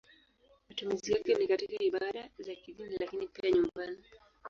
Matumizi yake ni katika ibada za kidini lakini pia nyumbani.